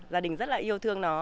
gia đình rất là yêu thương nó